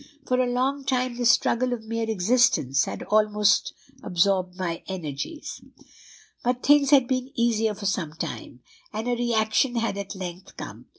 For a long time the struggle for mere existence had almost absorbed my energies; but things had been easier for some time, and a re action had at length come.